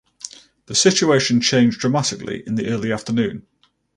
The situation changed dramatically in the early afternoon.